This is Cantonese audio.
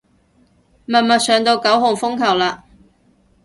默默上到九號風球嘞